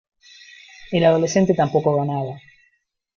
el adolescente tampoco ganaba: